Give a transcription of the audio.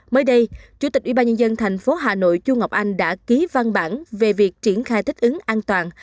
mới đây chủ tịch ubnd tp hà nội chu ngọc anh đã ký văn bản về việc triển khai thích ứng an toàn